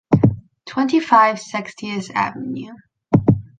twenty-five Sextius avenue